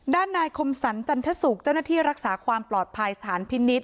ด้านนายคมสรรจันทศุกร์เจ้าหน้าที่รักษาความปลอดภัยสถานพินิษฐ